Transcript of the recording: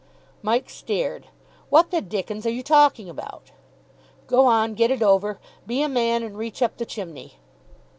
Mike stared, "What the dickens are you talking about?" "Go on. Get it over. Be a man, and reach up the chimney."